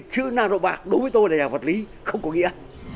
chữ nano bạc đối với tôi là vật lý không có nghĩa